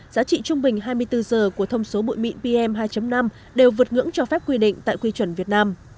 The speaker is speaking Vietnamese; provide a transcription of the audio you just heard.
giá trị trung bình hai mươi bốn giờ của thông số bụi mịn pm hai năm đều vượt ngưỡng cho phép quy định tại quy chuẩn việt nam